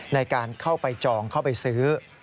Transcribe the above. ในการเข้าไปจองเข้าไปซื้อ